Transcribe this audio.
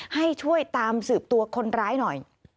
ให้ช่วยตามสืบตัวคนร้ายหน่อย